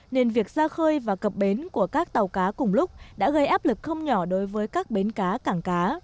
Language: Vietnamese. nên việc ra khơi và cập bến của các tàu cá cùng lúc đã gây áp lực không nhỏ đối với các bến cá cảng cá